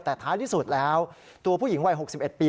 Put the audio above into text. แต่ท้ายที่สุดแล้วตัวผู้หญิงวัย๖๑ปี